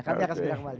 kami akan segera kembali